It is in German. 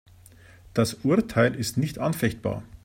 Das Urteil ist nicht anfechtbar.